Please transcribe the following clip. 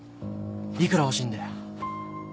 幾ら欲しいんだよ？